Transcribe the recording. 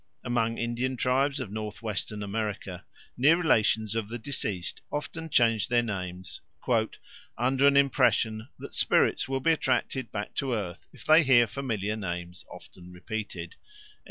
Among Indian tribes of North western America near relations of the deceased often change their names "under an impression that spirits will be attracted back to earth if they hear familiar names often repeated."